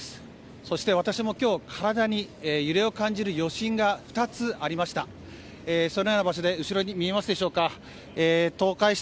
そして私も今日体に揺れを感じる余震が２つありました。